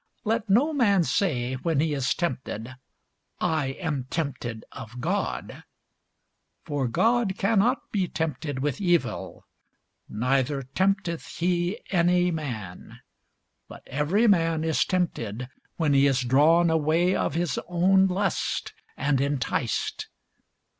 Let no man say when he is tempted, I am tempted of God: for God cannot be tempted with evil, neither tempteth he any man: but every man is tempted, when he is drawn away of his own lust, and enticed.